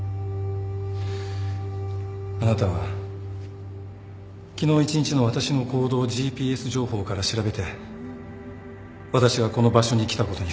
あなたは昨日一日の私の行動をＧＰＳ情報から調べて私がこの場所に来たことに不安を覚えた。